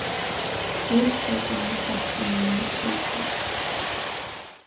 This statement has been criticized.